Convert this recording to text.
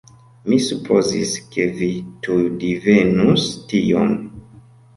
Mi supozis, ke vi tuj divenus tion.